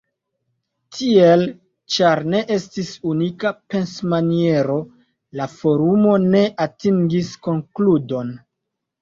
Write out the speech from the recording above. Tiel, ĉar ne estis “unika pensmaniero, la forumo ne atingis konkludon.